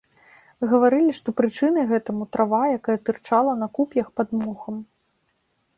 Гаварылі, што прычынай гэтаму трава, якая тырчала на куп'ях пад мохам.